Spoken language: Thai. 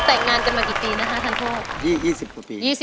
แต่งงานกันมากี่ปีนะฮะท่านโทษ